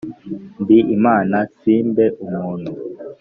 ndi Imana simbe umuntu,